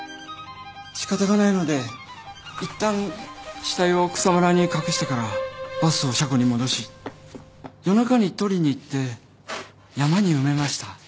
しかたがないのでいったん死体を草むらに隠してからバスを車庫に戻し夜中に取りに行って山に埋めました。